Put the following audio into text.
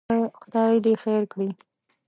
خدای دې خیر کړي.